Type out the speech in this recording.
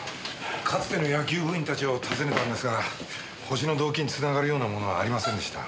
かつての野球部員たちを訪ねたんですがホシの動機に繋がるようなものはありませんでした。